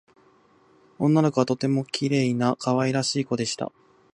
その女の子はとてもきれいなかわいらしいこでした